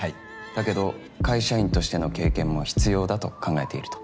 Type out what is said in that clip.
だけど会社員としての経験も必要だと考えていると。